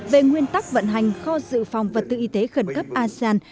về nguyên tắc vận hành kho dự phòng vật tư y tế khẩn cấp asean